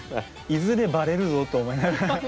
いずれバレるぞと思いながら。